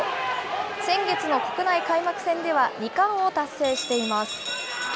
先月の国内開幕戦では２冠を達成しています。